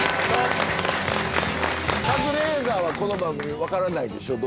カズレーザーはこの番組分からないでしょ？